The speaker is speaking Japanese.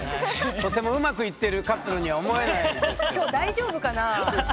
とてもうまくいってるカップルには思えないんですけど。